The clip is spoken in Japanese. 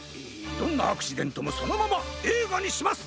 どんなアクシデントもそのままえいがにします！